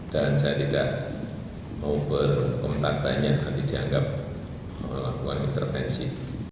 dan saya tidak mau berkomentar banyak nanti dianggap melakukan intervensi